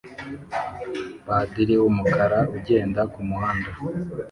Padiri wumukara ugenda kumuhanda